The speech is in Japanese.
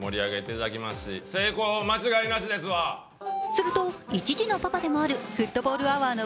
すると、１時のパパでもあるフットボールアワーの